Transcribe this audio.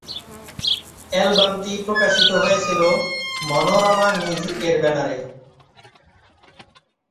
অ্যালবামটি প্রকাশিত হয়েছিল মনোরমা মিউজিক এর ব্যানারে।